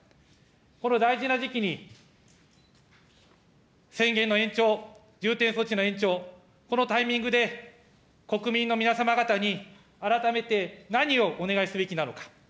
この大事な時期に、宣言の延長、重点措置の延長、このタイミングで、国民の皆様方に改めて何をお願いすべきなのか。